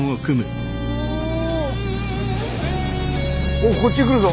おっこっち来るぞ。